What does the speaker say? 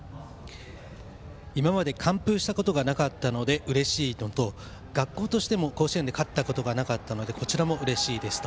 今まで完封したことがなかったのでうれしいのと学校としても甲子園で勝ったことがなかったのでこちらもうれしいですと。